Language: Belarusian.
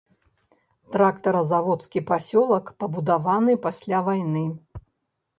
Трактаразаводскі пасёлак пабудаваны пасля вайны.